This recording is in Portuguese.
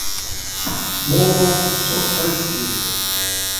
Mova o cursor para a esquerda